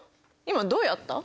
今どうやった？